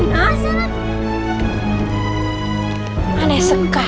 iya biung ceritanya aneh sekali